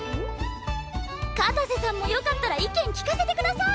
片瀬さんもよかったら意見聞かせてください！